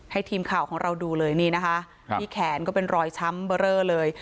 ทีมข่าวของเราดูเลยนี่นะคะที่แขนก็เป็นรอยช้ำเบอร์เรอเลย